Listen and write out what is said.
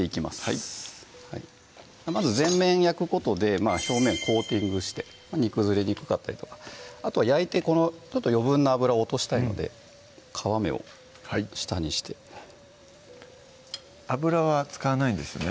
はいまず全面焼くことで表面をコーティングして煮崩れにくかったりとかあとは焼いてこの余分な脂を落としたいので皮目を下にして油は使わないんですね